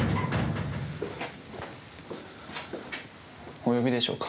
お呼びでしょうか？